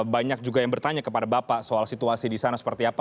banyak juga yang bertanya kepada bapak soal situasi di sana seperti apa